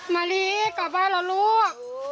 มะลิกลับบ้านเหรอลูก